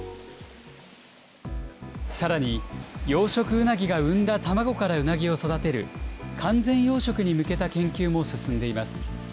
さらに、養殖うなぎが産んだ卵からうなぎを育てる完全養殖に向けた研究も進んでいます。